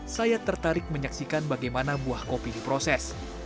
saya tertarik menyaksikan bagaimana buah kopi diproses